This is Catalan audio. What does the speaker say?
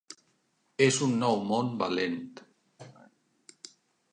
És un nou món valent.